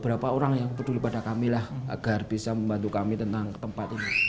berapa orang yang peduli pada kami lah agar bisa membantu kami tentang tempat ini